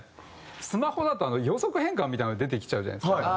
スマホだと予測変換みたいなのが出てきちゃうじゃないですか。